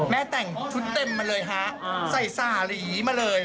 แต่งชุดเต็มมาเลยฮะใส่สาหรีมาเลย